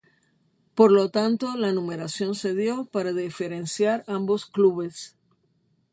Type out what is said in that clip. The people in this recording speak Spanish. Por lo tanto la numeración se dio para diferenciar ambos clubes.